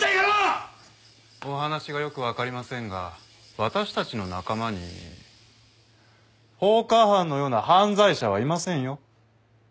お話がよくわかりませんが私たちの仲間に放火犯のような犯罪者はいませんよ。